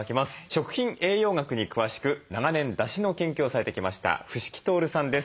食品栄養学に詳しく長年だしの研究をされてきました伏木亨さんです。